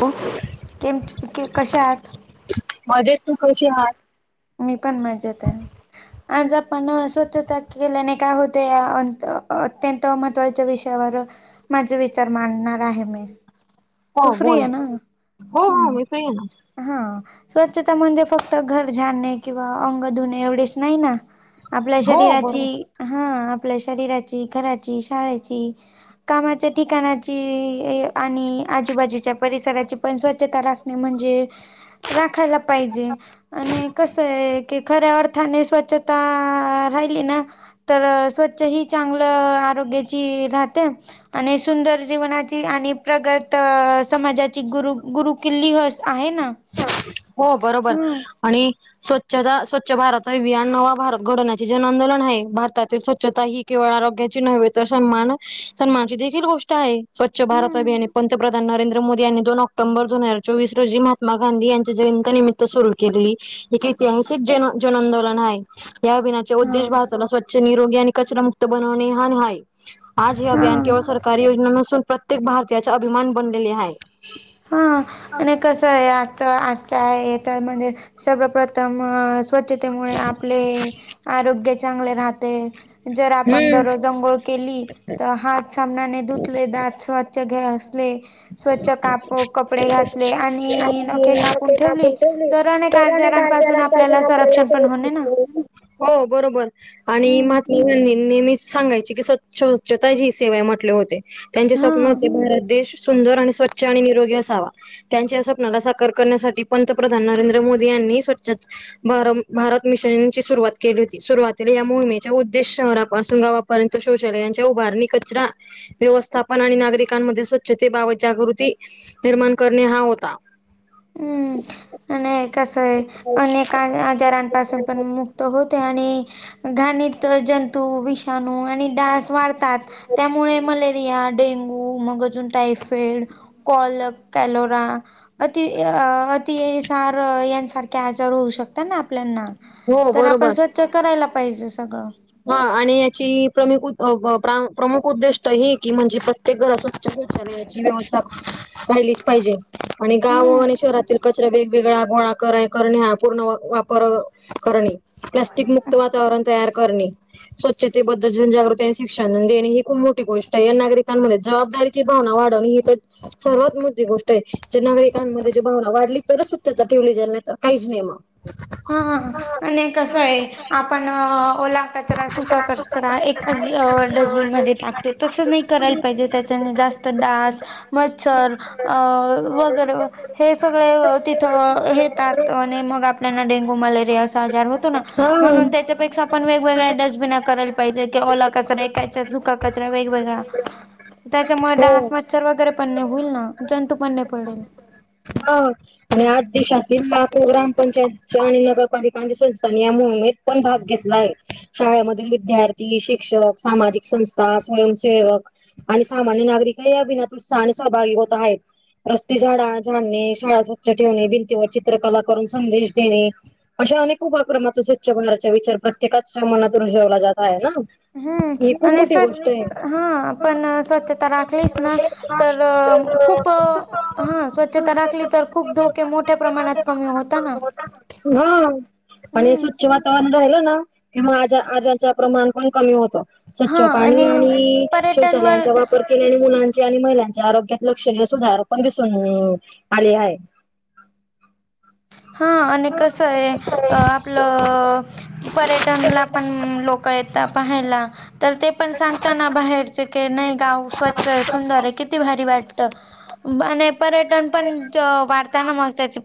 हो. केम कश्या आहात? मजेत तू कशी हाय? मी पण मजेत आहे. आज आपण स्वच्छता केल्याने काय होत या अत्यंत महत्त्वाच्या विषयावर माझे विचार मांडणार आहे मी तु फ्री आहे ना हम् हा स्वच्छता म्हणजे फक्त घर झाडणे किंवा अंग धुणे एवढेच नाही ना आपल्या शरीराची हा आपल्या शरीराची घराची शाळेची कामाच्या ठिकाणाची आणि आजूबाजूच्या परिसराची पण स्वच्छता राखणे म्हणजे राखायला पाहिजे आणि कस आहे की खऱ्या अर्थाने स्वच्छता राहिली ना तर स्वच्छ ही चांगलं आरोग्याची राहते आणि सुंदर जीवनाची आणि प्रगत तर समाजाची गुरु गुरु किल्लीहस आहे ना हो बरोबर हम्म आणि स्वच्छता स्वच्छ भारत ह विया नवा भारत घडवण्याची जन आंदोलन आहे भारतातील स्वच्छता ही केवळ आरोग्याची नव्हे तर सन्मान सन्मानची देखील गोष्ट आहे स्वच्छ भार हम्म अभियाने पंतप्रध नरंद्र मोदी यांनी दोन ऑक्टोबर दोन हजार चोवीस रोजी महात् गांध यां जयंता निमित्त सुरू केलेली एक ऐतिहासिक जन जन आंदोलन आहे या अभिनायाच्या हा उद्देश भारताला स्वच्छ निरोगी आणि कचरा मुक्त बनवणे हाय आज हे अभियान हा. केवळ सरकारी योजना नसून प्रत्येक भारतीयाचा अभिमान बनलेली आहे हा आणि कसं आहे आता आता तर म्हणजे सर्वप्रथम स्वच्छतेमुळे आपले आरोग्य चांगले राहते जर आपण हम्म दररोज अंघोळ केली तर हात सामनाने धुतले दात स्वच्छ घे असले स्वच्छ काप कपडे घातले आणि नखे कापून ठेवली तर अनेक आजारांपासून आपल्याला संरक्षण पण होणे ना हो बरोबर आणि म हम्म म नेहमीच सांगायची की स्वच्छ स्वच्छताची ही सेवाय म्हटले होते त्यांचे स्वप्न हा होते देश सुंदर आणि स्वच्छ आणि निरोगी असावा त्यांच्या स्वप्नाला साकार करण्यासाठी पंतप्रधान नरेंद्र मोदी यांनी स्व्छ भार भारत मिशनची सुरुवात केली होती सुरुवातीला या मोहिमेचा उद्देश शहरापासून गावा परंतु शौचालयाच्या उभारणी कचरा व्यवस्थापन आणि नागरिकांमध्ये व्छतेबाबत जागृती निर्माण करणे हा होता हम्म आणि स अनेक आजारांपासून पण मुक्त होते आणि घाणीत जंतू विषाणू आणि डास वाढतात त्यामुळे मले रिया डेंगू मग अजून टायफइड कलक कॅलोरा ि अतिसार यांसारखे आजार होऊ शकतात ना आपल्याना हो तर आपण बरोबर स्वच्छ करायला पाहिजे सगळं हा आणि याची प्रमुख प्रमुख उद्दिष्ट हे की म्हणजे प्रत्येक घर अस शचालची व्यवस्था राहिलीच पाहिजे आणि गाव हम्म. आणि शहरातील कचरा वेग वेगळा गोळा कर करणे हा पूर्ण वापर करणे प्लास्टिक मुक्त वातावरण तयार करणे स्वच्छतेबद्दल जनजागृती आणि शिक्षण देणे ही खूप मोठी गोष्ट आहे या नागरिकांमध्ये जबाबदारी ची भावना वाढव ही तर सर्वात मोठी गोष्ट आहे जे नागरिकांमध्ये जी भावना वाढली तरच त्याचा ठेवली जाईल नाही तर काहीच नाही मग हा आणि कसं आहे आपण ओला कच सु कचरा एकाच डस्टबिन म टाकतो तस नाही करायला पाहिजे त्या जास्त डास मच्छर वगैरे हे सगळे तिथं येतात आणि मग डेंगू मलेरिया अस आजार होतो ना हा. म्हणून त्याच्यापेक्षा आपण वेगवेगळ्या डस्बिना करायला पाहिजे कि ओला कचरा एका हेच्यात सुका कचरा वेगवेगळा. त्याच्यामुळे हो डास, मच्छर वगैरे पण नाही होईल ना जंतू पण नई पडेल. हो आणि आज देशातील लाखो ग्रामपंचायतच्या आणि नगरपालिकांच्या संस्थांनी या मोहिमेत पण भाग घेतलाय. शाळेमधील विद्यार्थी, शिक्षक, सामाजिक संस्था, स्वयंसेवक आणि सामान्य नागरिकही अभिनात उत्साहने सहभागी होत आहेत. रस्ते झाडा झाडणे, शाळा स्वच्छ ठेवणे, भिंतीवर चित्रकला करून संदेश देणे. अशा अनेक उपक्रमाचा स्वच्छ भारतचा विचार प्रत्येकाच्या मनात रुजवला जात आहे ना. ही हम्म खूप आणि मोठी गोष्ट आहे स्वच्छ हा पण स्वच्छता राखलीच ना तर खूप हा स्वच्छता राखली तर खूप धोके मोठ्या प्रमाणात कमी होता ना हॊ आणि हम्म स्वच्छ वातावरण राहिलं ना किंवा आज आजार च प्रमाण पण कमी होतं. स्वच्छ पाणी आणि पर्यटनवर शौचालयांचा वापर केल्याले मुलांचे आणि महिलांचे आरोग्यात लक्षणीय सुधार पण दिसून आले आहे. हा आणि कसंय अ आपलं पर्यटनला पण लोक येता पाहायला तर ते पण सांगताना बाहेर चके नाही गाव स्वच्छ सुंदर किती भारी वाटतं बने पर्यटन पन च वाढताना मग त्याची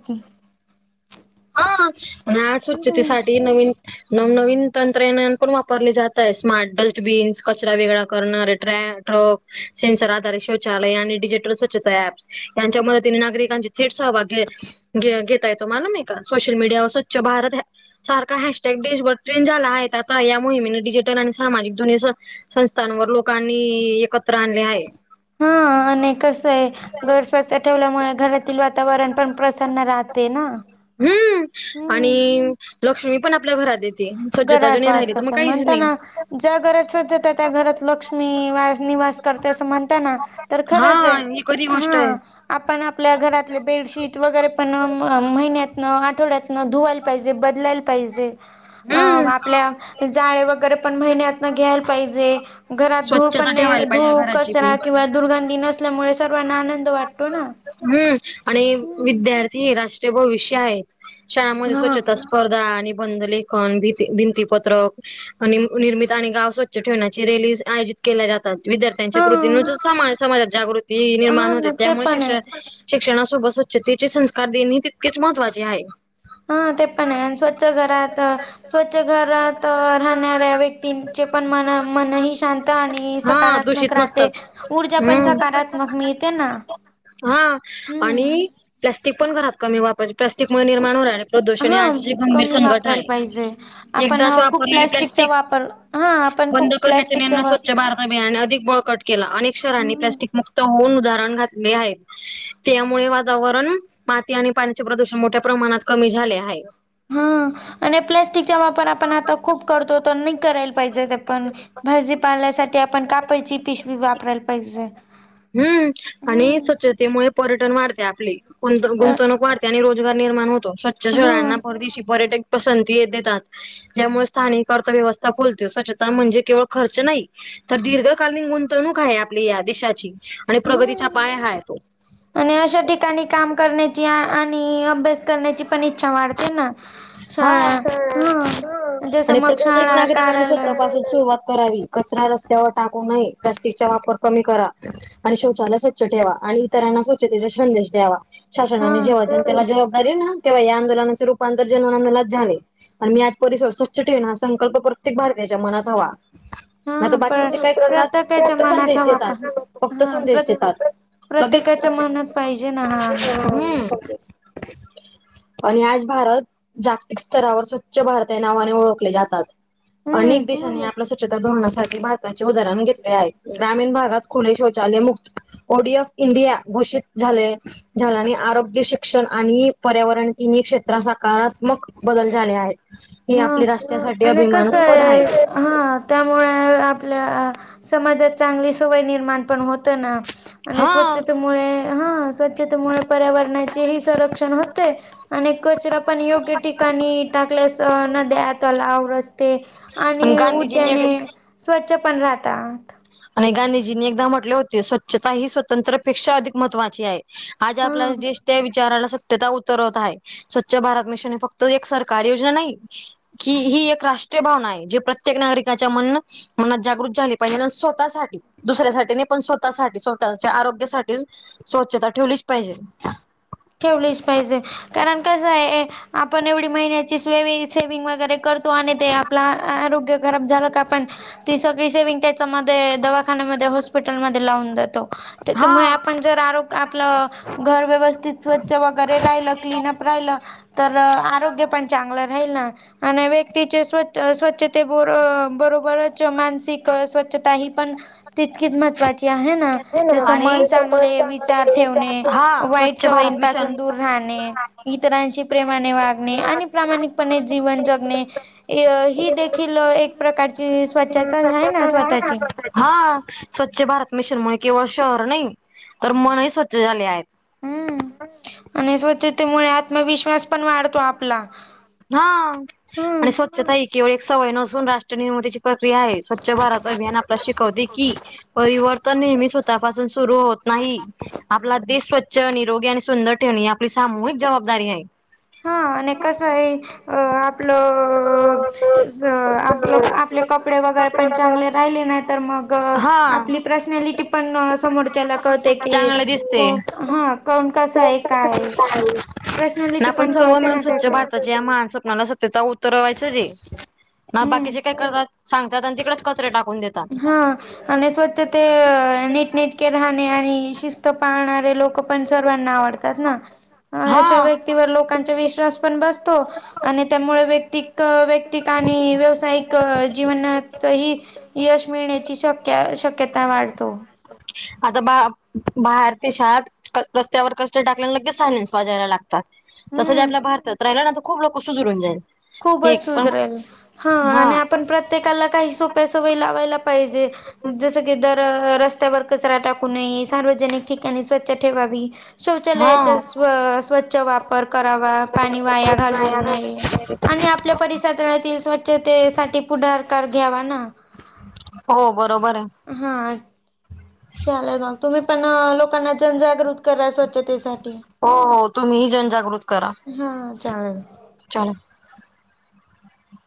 हा ह्या स्वच्छते हम्म. साठी नवीन नवनवीन तंत्रज्ञान पण वापरले जात आहे स्मार्ट डस्टबीन्स कचरा वेगळा करणार, ट्रॅ ट्रक सेन्सर आधारित शौचालय आणि डिजिटल स्वच्छता ऍप्स. यांच्या मदतीने नागरिकांचे थेट सहभाग घ घेता येतो मालूम हाय सोशल मीडियावर स्वच्छ भारत ह सारखा हॅशटॅग देशभर ट्रेंड झाला आहे. आता या मोहिमेने डिजिटल आणि सामाजिक ध्वनीसं संस्थांवर लोकांनी एकत्र आणले हाय. हा अने कसयं गर तसं ठेवल्यामुळे घरातील वातावरण पण प्रसन्न राहते ना. हम्म हम्म आणि लक्ष्मी पण आपल्या घरात येते. स्वच्छता जर घरात नाही वास राहिली तर मग करता काहीच नाही म्हणताना ज्या घरात स्वच्छता त्या घरात लक्ष्मी वास निवास करतंय अस म्हणत ना, तर हा खरंचयं ही खरी गोष्ट आहे हा आपण आपल्या घरातले बेडशीट वगैरे पण म महिन्यातनं आठवड्यातनं धुवायला पाहिजे बदलायला पाहिजे. जे अ हम्म. आपल्या जाळे वगैरे पण महिन्यातन घ्यायला पाहिजे. घरात धूळ पण स्वच्छता नाही ठेवायला पाहिजे धूळ, घराची बी. कचरा किंवा दुर्गंधी नसल्यामुळे सर्वांना आनंद वाटतो ना. हम्म आणि हम्म विद्यार्थी राष्ट्रीय भविष्य आहे. शाळामध्ये हा स्वच्छता स स्पर्धा, निबंधलेखन भीती भिंतीपत्रक आणि निर्मित आणि गाव स्वच्छ ठेवण्याची रॅलीज आयोजित केल्या जातात विद्यार्थ्यांच्या हा कृती समा समाजात जागृती हा निर्माण होते. ना ते त्यामुळे पण शिक्ष आहे शिक्षणासोबत स्वच्छतेचे संस्कार देणे हे तितकेच महत्वाचे हाय. हा ते पण आहेआणि स्वच्छ घरात स्वच्छ घरात राहणाऱ्या व्यक्तींचे पण मन मनही शांत आणि सकारात् शीत नसतात ऊर्जा पण सकारात्मक मिळते ना. हा हम्म आणि प्लास्टिक पण घरात कमी वापरायचे प्लास्टिक निर्माण होणाऱ्या प्रदूषण ही हा आजची गंभीर कमी संघट वापरायला आहे. पाहिजे आपण एकदाच खूप वापरलेले प्लॅस्टिकचा प्लाॅस्टिक वापर हा आपण बंद खूप करण्याचे प्लॅस्टिकचा आणि स्वच्छ भारत अभियान अधिक बळकट केला आणि अनेक शहरांनी वापर प्लॅस्टिक मुक्त होऊन उदाहरण घातले आहे. त्यामुळे वातावरण माती आणि पाण्याचे प्रदूषण मोठ्या प्रमाणात कमी झाले हाय. हा आणि हा प्लाॅस्टिकचा वापर आपण आता खूप करतो तर नी करायला पाहिजेत आपण भाजीपाल्यासाठी आपण कापडची पिशवी वापरायला पायजल. हम्म आणि स्वच्छतेमुळे पर्यटन वाढते आपले. गुंत अ गुंतवणूक वाढते आणि रोजगार निर्माण होतो. स्वच्छ शहरांना हं. परदेशी पर्यटक पसंती ये देतात ज्यामुळे स्थानिक अर्थव्यवस्था फुलते स्वच्छता म्हणजे केवळ खर्च नाही. तर दीर्घकालीन गुंतवणूक हाय, आपली या देशाची आणि प्रगतीचा पाया हाय तो. आणि अशा ठिकाणी काम करण्याची आ आणि, अभ्यास करण्याची पण इच्छा वाढते ना हा हा शाळा हा हं जसं आणि मग प्रत्येक शाळा, नागरिकने कार्यालय स्वतःपा असं सुरुवात करावी कचरा रस्त्यावर टाकू नये प्लास्टिक चा वापर कमी करा. आणि शौचालय स्वच्छ ठेवा, आणि इतरांना स्वच्छतेचा संदेश द्यावा. शासनाने हं जेव्हा जेव्हा त्याला जबाबदार हे ना तेव्हा या आंदोलनाचे रूपांतर जनंगनात झाले आणि मी आज परिसर स्वच्छ ठेवीन, हा संकल्प प्रत्येक भारतीयाच्या मनात हवा. आता हं पण बाकीचे काय करतात, प्रत्येकाच्या फक्त मनात संदेश हवा पण देतात फक्त हां प्र संदेश देतात. मग एक प्रत्येकाच्या मनात पाहिजे ना हा संदेश हूं आणि आज भारत जागतिक स्तरावर स्वच्छ भारत या नावाने ओळखले ज्यातात, हम्म. अनेक देशांनी आप आपल्या स्वच्छता धोरणासाठी भारताचे उदाहरण घेतले आहे, ग्रामीण भागात खुले शौचालय मुक्त बोडी ऑफ इंडिया घोषित झाले. झाल्याने आरोग्य शिक्षण आणि पर्यावरण तिनी क्षेत्राच्या काळात मग बदल झाले आहे ही हा आपल्या राष्ट्रासाठी आणि कसं अभिमानास्पद आहे हाये. हा त्यामुळे आ आपल्या आ समाजात चांगली सवय निर्माण पण होत ना. आणि हा स्वच्छतेमुळे हा स्वच्छतेमुळे पर्यावरणाचे ही संरक्षण होते. आणि कचरा पण योग्य ठिकाणी टाकलस त नद्या तलाव रस्ते आणि उद्याने ने स्वच्छ पण राहतात. आणि गांधीजींनी एकदा म्हटले होते, स्वच्छता ही स्वतंत्रपेक्षा अधिक महत्त्वाची आहे. आज हा आपला देश त्या विचाराला सत त्यता उतरवत हाय स्वच्छ भारत मिशन हे फक्त एक सरकारी योजना नाही. ही ही एक राष्ट्रीय भावना आहे, जी प्रत्येक नागरिकाच्या मनं मनात जागृत झाली पाहिजे, अनं स्वतः स्वतः साठी दुसऱ्यासाठी नही पण स्वतःसाठी स्वतःच्या आरोग्यासाठी स्वच्छता ठेवलीच पाहिजे. ठेवलीच पाहिजे कारण कसंय, आपण एवढी महिन्याची सेविग सेविंग वगैरे कर तो आणि ते आपलं आ आरोग्य खराब झालं का आपण ती सगळी सेविंग त्याच्यामध्ये दवाखान्यामध्ये हॉस्पिटलमध्ये लावून देतो. त्याच्यामुळे हा आपण जर आरोग आपलं घर व्यवस्थित स्वच्छ वगैरे राहिलं क्लीनअप राहिलं, तर आरोग्य पण चांगलं राहील ना आणि व्यक्तीचे स्व स्वच्छते बरो बरोबरच मानसिक स्वच्छता ही पण तितकीच महत्वाची आहे ना, जस मन आणि चांगले विचार ठेवणे हा वाईट स्वच्छ सवयीं भारत पाासून मिशन दूर राहणे, इतरांशी प्रेमाने वागणे आणि प्रामाणिक पणे जीवन जगणे य ही देखील एक प्रकारची स्वच्छता हाय ना स्वतःची हा स्वच्छ भारत मिशन मुळे केवळ शहर नाही तर मन ही स्वच्छ झाले आहेत. हूं आणि स्वच्छतेमुळे आत्मविश्वास पण वाढतो आपला. हा हम्म आणि स्वच्छता ही केवळ एक सवय नसून राष्ट्र निर्मितीची प्रक्रिया आहे स्वच्छ भारत अभियान आपल्या शिकवते की, परिवर्तन नेहमी स्वतःपासून सुरू होत नाही. आपला देश स्वच्छ निरोगी आणि सुंदर ठेवणे ही आपली सामूहिक जबाबदारी आहे. हा आणि कसंय अ आपलं अ कस आपलं आपले कपडे वगैरे पण चांगले राहिले नाय तर मग हा. आपली पर्सनॅलिटी पण समोरच्याला कळते की चांगलं दिसते ह कोण कस आहे काय पर्सनलिटी. पण सर्व मिणून स्वच्छ भारत मनात असतते सत्यता उतरवायच जे ना हम्म बाकीचे काय करतात. सांगतात आणि तिकडेच कचरे टाकून देतात. हा आणि स्वच्छते नीटनेटके राहणे आणि शिस पाहणारे लोक पण सर्वांना आवडतात ना. ह अशा हा. व्यक्तीवर लोकांचा विश्वास पण बसतो. आणि त्यामुळे व्याक्तिक व्याक्तिक आणि व्यावसायिक जीवनात ही यश मीळ ण्या शक शक्यता वाढतो. आता बा बाहेर देशात रस्त्यावर कचरा टाकल्या लगेच सायलेन्स वाजायला लागतात तसंच हम्म आपल्या भारतात राहिलं ना खूप लोक सुधरून जाईल. हे खूपच पण सुधरेल हा आणि आपण प्रत्येकाला काही सोप्या सवयी लावायला पाहिजे. जस की दर रस्त्यावर कचरा टाकू नये सार्वजनिक ठिकाणी स्वच्छ ठेवावी हा. शौचालयाचा स्व स्वच्छ वापर करावा पाणी वाया घालवू नये. आणि आपल्या परिसरातील स्वच्छतेसाठी पुढारकार घ्यावा ना. हो बरोबर आहे. हा. चला मग तुम्ही पण लोकांना जनजागृत करा स्वच्छतेसाठी. हो हो तुम्ही जनजागृत करा. हा चालेल. चला.